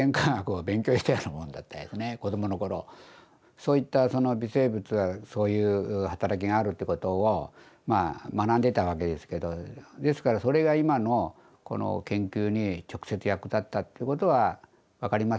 そういった微生物がそういう働きがあるってことを学んでたわけですけどですからそれが今のこの研究に直接役立ったっていうことは分かりません。